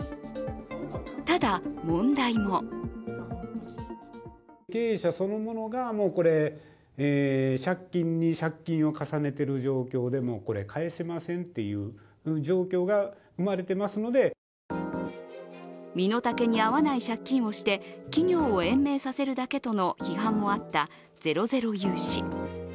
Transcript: ただ、問題も身の丈に合わない借金をして企業を延命させるだけとの批判もあったゼロゼロ融資。